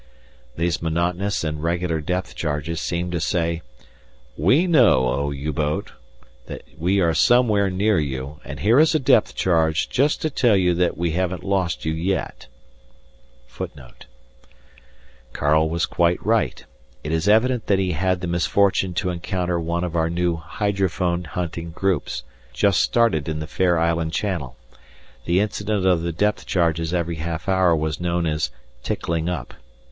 These monotonous and regular depth charges seemed to say: "We know, Oh! U boat, that we are somewhere near you, and here is a depth charge just to tell you that we haven't lost you yet." [Footnote 1: Karl was quite right; it is evident that he had the misfortune to encounter one of our new hydrophone hunting groups, just started In the Fair Island Channel. The incident of the depth charges every half hour was known as "Tickling up."